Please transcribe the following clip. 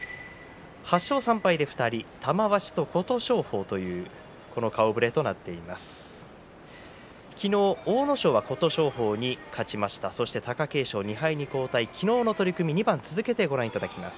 ８勝３敗で２人玉鷲と琴勝峰という顔ぶれとなっています。